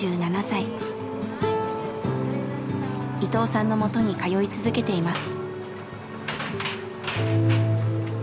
伊藤さんのもとに通い続けています。